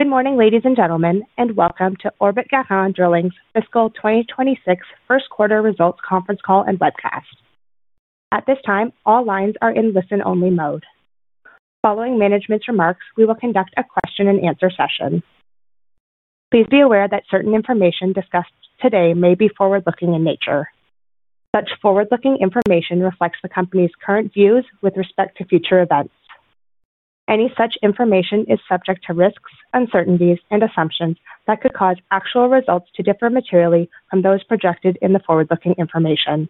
Good morning, ladies and gentlemen, and welcome to Orbit Garant Drilling's fiscal 2026 first quarter results conference call and webcast. At this time, all lines are in listen-only mode. Following management's remarks, we will conduct a question-and-answer session. Please be aware that certain information discussed today may be forward-looking in nature. Such forward-looking information reflects the company's current views with respect to future events. Any such information is subject to risks, uncertainties, and assumptions that could cause actual results to differ materially from those projected in the forward-looking information.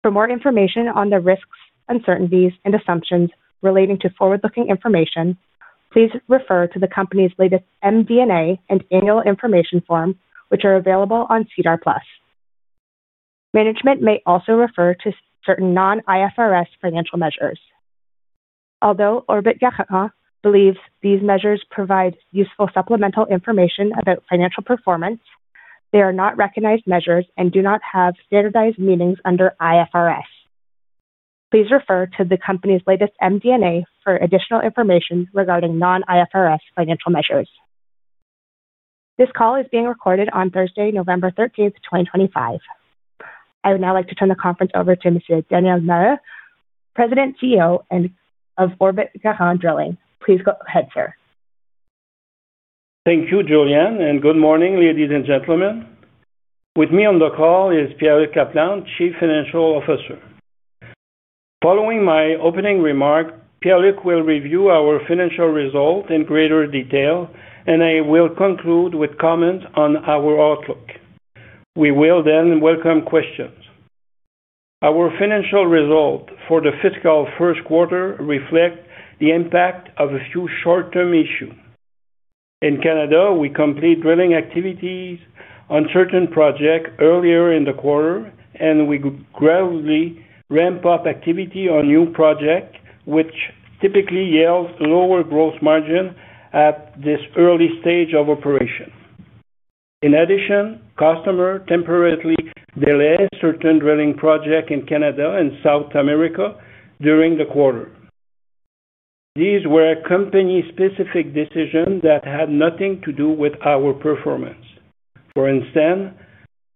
For more information on the risks, uncertainties, and assumptions relating to forward-looking information, please refer to the company's latest MD&A and annual information form, which are available on SEDAR+. Management may also refer to certain non-IFRS financial measures. Although Orbit Garant believes these measures provide useful supplemental information about financial performance, they are not recognized measures and do not have standardized meanings under IFRS. Please refer to the company's latest MD&A for additional information regarding non-IFRS financial measures. This call is being recorded on Thursday, November 13th, 2025. I would now like to turn the conference over to Mr. Daniel Maheu, President and CEO of Orbit Garant Drilling. Please go ahead, sir. Thank you, Julian, and good morning, ladies and gentlemen. With me on the call is Pier-Luc Laplante, Chief Financial Officer. Following my opening remark, Pier-Luc will review our financial result in greater detail, and I will conclude with comments on our outlook. We will then welcome questions. Our financial result for the fiscal first quarter reflects the impact of a few short-term issues. In Canada, we complete drilling activities on certain projects earlier in the quarter, and we gradually ramp up activity on new projects, which typically yields lower gross margins at this early stage of operation. In addition, customers temporarily delay certain drilling projects in Canada and South America during the quarter. These were company-specific decisions that had nothing to do with our performance. For instance,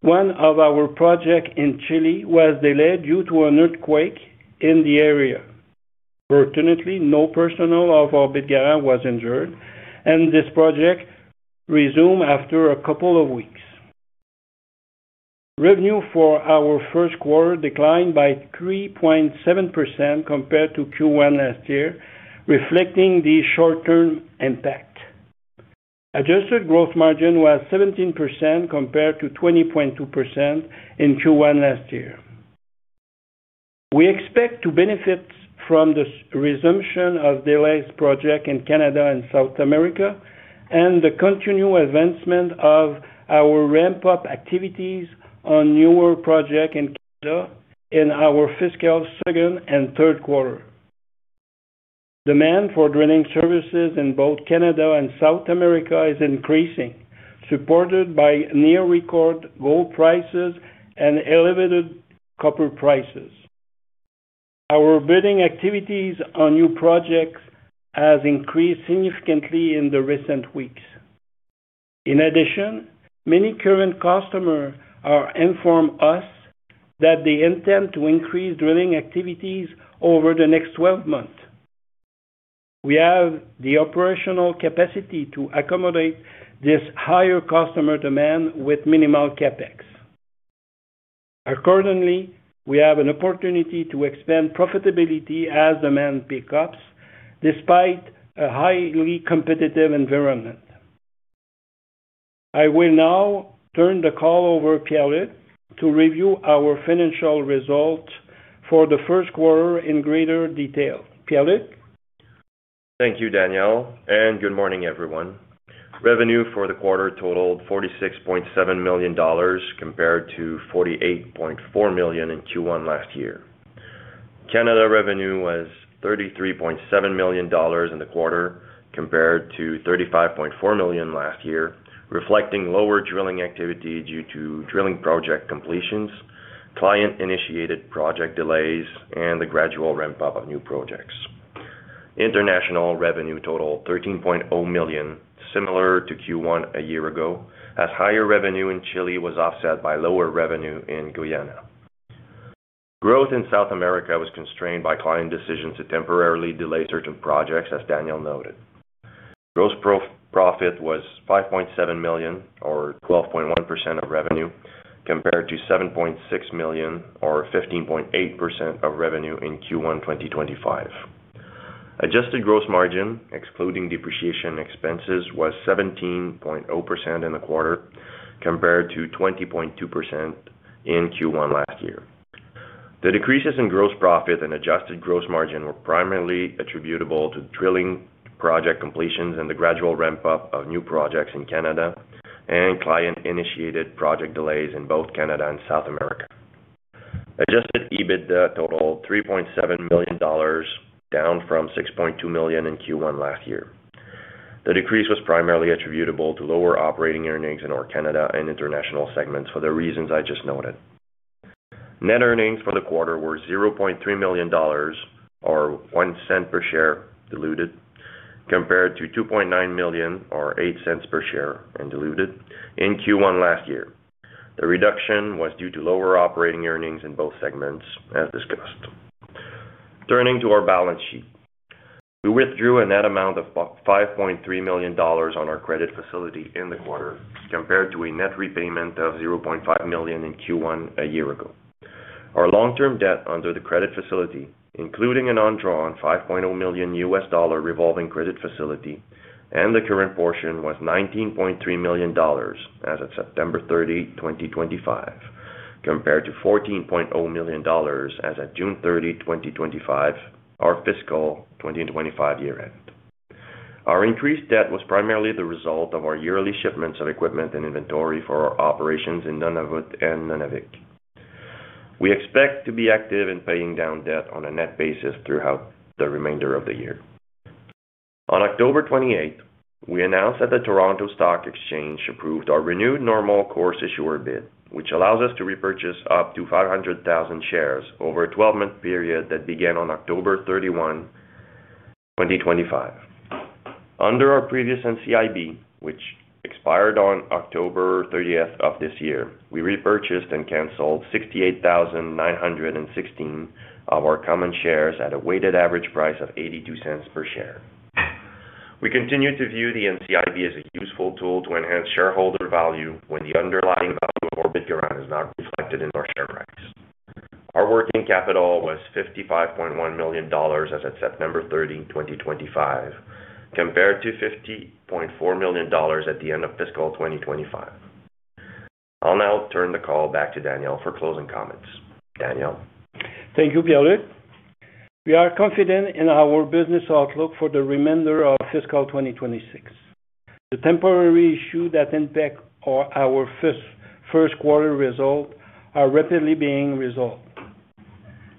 one of our projects in Chile was delayed due to an earthquake in the area. Fortunately, no personnel of Orbit Garant was injured, and this project resumed after a couple of weeks. Revenue for our first quarter declined by 3.7% compared to Q1 last year, reflecting the short-term impact. Adjusted gross margin was 17% compared to 20.2% in Q1 last year. We expect to benefit from the resumption of delayed projects in Canada and South America, and the continued advancement of our ramp-up activities on newer projects in Canada in our fiscal second and third quarter. Demand for drilling services in both Canada and South America is increasing, supported by near-record gold prices and elevated copper prices. Our building activities on new projects have increased significantly in the recent weeks. In addition, many current customers are informed of us that they intend to increase drilling activities over the next 12 months. We have the operational capacity to accommodate this higher customer demand with minimal CapEx. Accordingly, we have an opportunity to expand profitability as demand picks up despite a highly competitive environment. I will now turn the call over to Pier-Luc to review our financial result for the first quarter in greater detail. Pier-Luc? Thank you, Daniel, and good morning, everyone. Revenue for the quarter totaled 46.7 million dollars compared to 48.4 million in Q1 last year. Canada revenue was 33.7 million dollars in the quarter compared to 35.4 million last year, reflecting lower drilling activity due to drilling project completions, client-initiated project delays, and the gradual ramp-up of new projects. International revenue totaled 13.0 million, similar to Q1 a year ago, as higher revenue in Chile was offset by lower revenue in Guyana. Growth in South America was constrained by client decisions to temporarily delay certain projects, as Daniel noted. Gross profit was 5.7 million, or 12.1% of revenue, compared to 7.6 million, or 15.8% of revenue in Q1 2025. Adjusted gross margin, excluding depreciation expenses, was 17.0% in the quarter compared to 20.2% in Q1 last year. The decreases in gross profit and adjusted gross margin were primarily attributable to drilling project completions and the gradual ramp-up of new projects in Canada and client-initiated project delays in both Canada and South America. Adjusted EBITDA totaled 3.7 million dollars, down from 6.2 million in Q1 last year. The decrease was primarily attributable to lower operating earnings in Canada and international segments for the reasons I just noted. Net earnings for the quarter were 0.3 million dollars, or 0.01 per share, diluted, compared to 2.9 million, or 0.08 per share, diluted, in Q1 last year. The reduction was due to lower operating earnings in both segments, as discussed. Turning to our balance sheet, we withdrew a net amount of 5.3 million dollars on our credit facility in the quarter compared to a net repayment of 0.5 million in Q1 a year ago. Our long-term debt under the credit facility, including an undrawn $5.0 million US dollar revolving credit facility and the current portion, was 19.3 million dollars as of September 30, 2025, compared to 14.0 million dollars as of June 30, 2025, our fiscal 2025 year-end. Our increased debt was primarily the result of our yearly shipments of equipment and inventory for our operations in Nunavut. We expect to be active in paying down debt on a net basis throughout the remainder of the year. On October 28, we announced that the Toronto Stock Exchange approved our renewed normal course issuer bid, which allows us to repurchase up to 500,000 shares over a 12-month period that began on October 31, 2025. Under our previous NCIB, which expired on October 30 of this year, we repurchased and canceled 68,916 of our common shares at a weighted average price of 0.82 per share. We continue to view the NCIB as a useful tool to enhance shareholder value when the underlying value of Orbit Garant Drilling is not reflected in our share price. Our working capital was 55.1 million dollars as of September 30, 2025, compared to 50.4 million dollars at the end of fiscal 2025. I'll now turn the call back to Daniel for closing comments. Daniel. Thank you, Pierre-Luc. We are confident in our business outlook for the remainder of fiscal 2026. The temporary issues that impact our first quarter result are rapidly being resolved.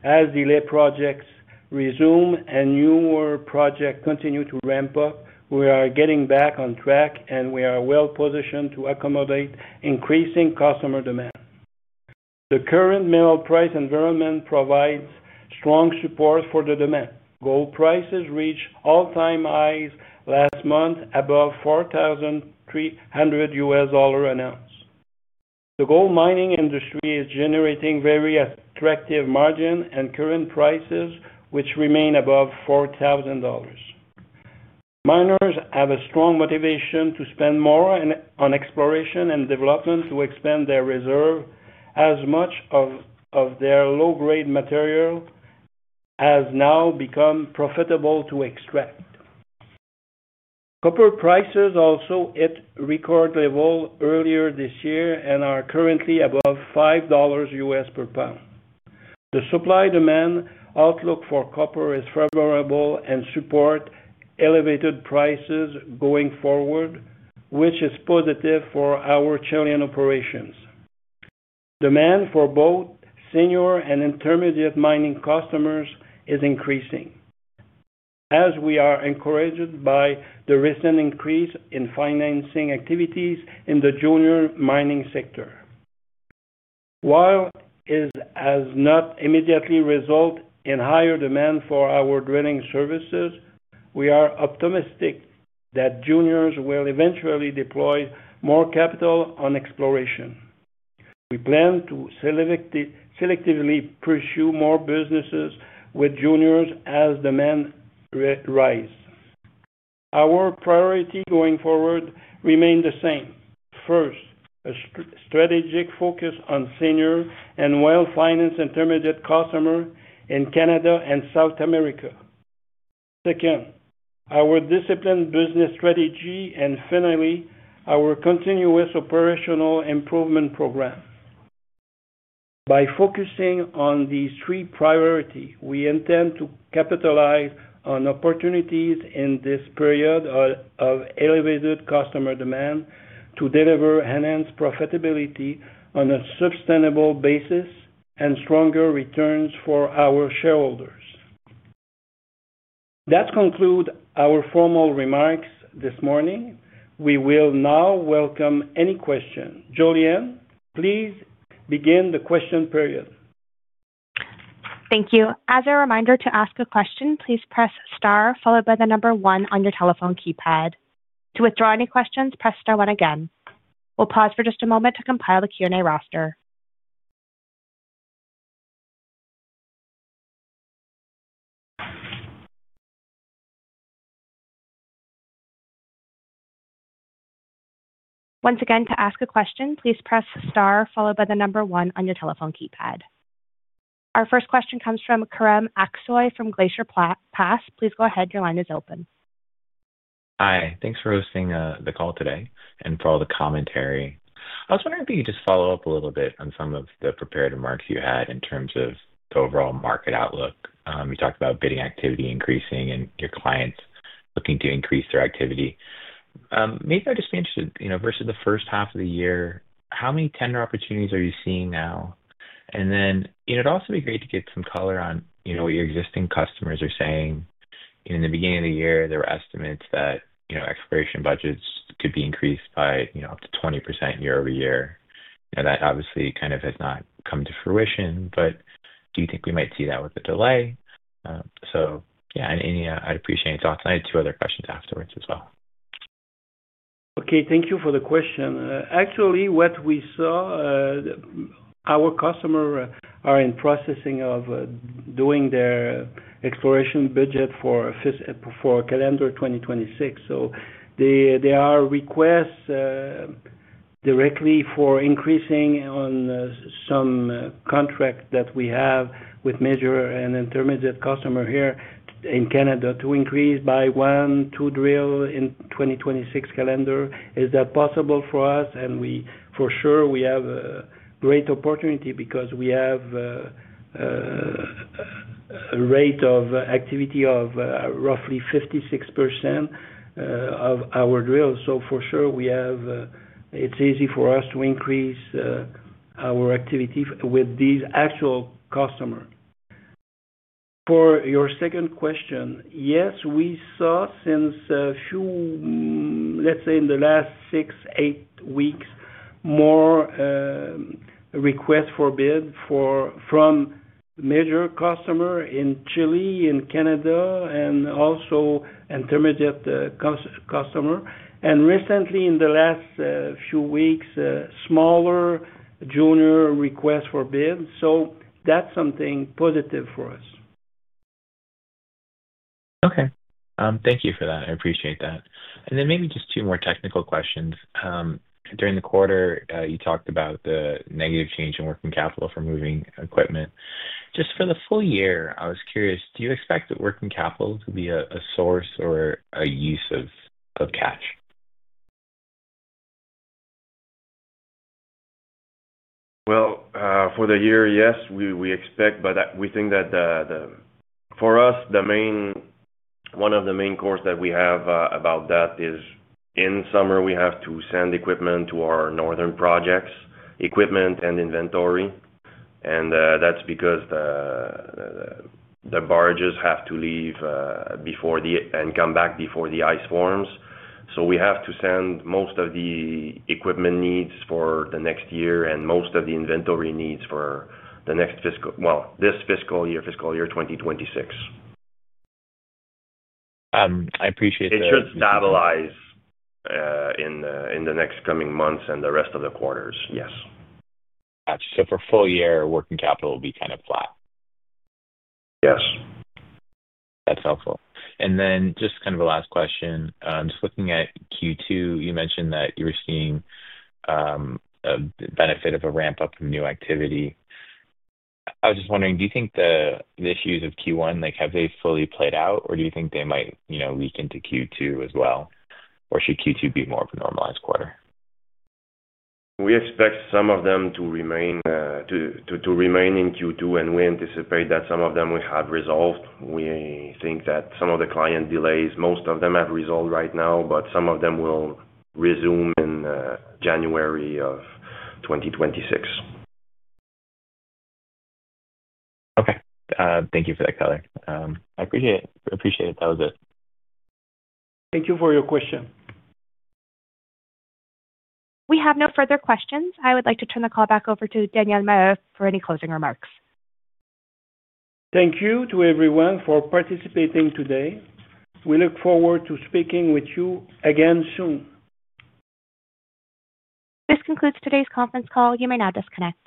As delayed projects resume and newer projects continue to ramp up, we are getting back on track, and we are well-positioned to accommodate increasing customer demand. The current mineral price environment provides strong support for the demand. Gold prices reached all-time highs last month, above CAD 4,300 an ounce. The gold mining industry is generating very attractive margins and current prices, which remain above 4,000 dollars. Miners have a strong motivation to spend more on exploration and development to expand their reserves as much of their low-grade material as now becomes profitable to extract. Copper prices also hit record levels earlier this year and are currently above 5 dollars per pound. The supply-demand outlook for copper is favorable and supports elevated prices going forward, which is positive for our Chilean operations. Demand for both senior and intermediate mining customers is increasing, as we are encouraged by the recent increase in financing activities in the junior mining sector. While it has not immediately resulted in higher demand for our drilling services, we are optimistic that juniors will eventually deploy more capital on exploration. We plan to selectively pursue more businesses with juniors as demand rises. Our priorities going forward remain the same. First, a strategic focus on senior and well-financed intermediate customers in Canada and South America. Second, our disciplined business strategy, and finally, our continuous operational improvement program. By focusing on these three priorities, we intend to capitalize on opportunities in this period of elevated customer demand to deliver enhanced profitability on a sustainable basis and stronger returns for our shareholders. That concludes our formal remarks this morning. We will now welcome any questions. Julian, please begin the question period. Thank you. As a reminder to ask a question, please press star, followed by the number one on your telephone keypad. To withdraw any questions, press star one again. We'll pause for just a moment to compile the Q&A roster. Once again, to ask a question, please press star, followed by the number one on your telephone keypad. Our first question comes from Kerem Aksoy from Glacier Pass. Please go ahead. Your line is open. Hi. Thanks for hosting the call today and for all the commentary. I was wondering if you could just follow up a little bit on some of the prepared remarks you had in terms of the overall market outlook. You talked about bidding activity increasing and your clients looking to increase their activity. Maybe I'd just be interested, versus the first half of the year, how many tender opportunities are you seeing now? It'd also be great to get some color on what your existing customers are saying. In the beginning of the year, there were estimates that exploration budgets could be increased by up to 20% year-over-year. That obviously kind of has not come to fruition, but do you think we might see that with a delay? Yeah, I'd appreciate any thoughts. I had two other questions afterwards as well. Okay. Thank you for the question. Actually, what we saw, our customers are in the processing of doing their exploration budget for calendar 2026. There are requests directly for increasing on some contracts that we have with major and intermediate customers here in Canada to increase by one, two drills in the 2026 calendar. Is that possible for us? For sure, we have a great opportunity because we have a rate of activity of roughly 56% of our drills. For sure, it is easy for us to increase our activity with these actual customers. For your second question, yes, we saw since, let's say, in the last six-eight weeks, more requests for bids from major customers in Chile, in Canada, and also intermediate customers. Recently, in the last few weeks, smaller junior requests for bids. That is something positive for us. Okay. Thank you for that. I appreciate that. Maybe just two more technical questions. During the quarter, you talked about the negative change in working capital for moving equipment. Just for the full year, I was curious, do you expect that working capital to be a source or a use of cash? For the year, yes, we expect, but we think that for us, one of the main calls that we have about that is in summer, we have to send equipment to our northern projects, equipment and inventory. That is because the barges have to leave before and come back before the ice forms. We have to send most of the equipment needs for the next year and most of the inventory needs for the next fiscal, well, this fiscal year, fiscal year 2026. I appreciate that. It should stabilize in the next coming months and the rest of the quarters, yes. Gotcha. For full year, working capital will be kind of flat? Yes. That's helpful. Just kind of a last question. Just looking at Q2, you mentioned that you were seeing the benefit of a ramp-up of new activity. I was just wondering, do you think the issues of Q1, have they fully played out, or do you think they might leak into Q2 as well, or should Q2 be more of a normalized quarter? We expect some of them to remain in Q2, and we anticipate that some of them will have resolved. We think that some of the client delays, most of them have resolved right now, but some of them will resume in January of 2026. Okay. Thank you for that, Kerem. I appreciate it. That was it. Thank you for your question. We have no further questions. I would like to turn the call back over to Daniel Maheu for any closing remarks. Thank you to everyone for participating today. We look forward to speaking with you again soon. This concludes today's conference call. You may now disconnect.